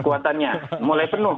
kekuatannya mulai penuh